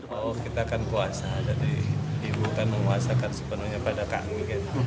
oh kita kan puasa jadi ibu kan menguasakan sepenuhnya pada kami